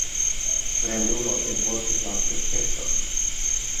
Fremdulo enportis la kesteton.